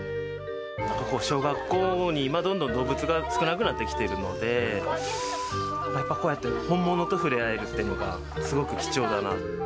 小学校に今、どんどん動物が少なくなってきてるので、やっぱりこうやって本物とふれあえるっていうのが、すごく貴重だなと。